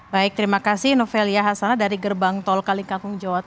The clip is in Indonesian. baik terima kasih novelia hasana dari gerbang tol kalikangkung jawa tengah